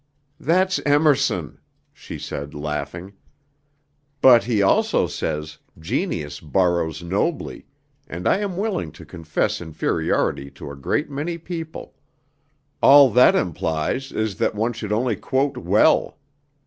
"That's Emerson," she said, laughing; "but he also says, 'genius borrows nobly,' and I am willing to confess inferiority to a great many people; all that implies is that one should only quote well.